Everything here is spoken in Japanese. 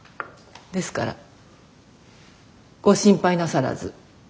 ですからご心配なさらず。